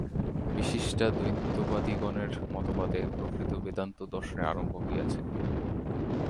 বিশিষ্টাদ্বৈতবাদিগণের মতবাদে প্রকৃত বেদান্ত-দর্শনের আরম্ভ হইয়াছে।